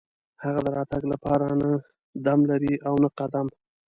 هغه د راتګ لپاره نه دم لري او نه قدم.